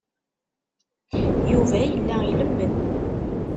Yuba yella ilemmed.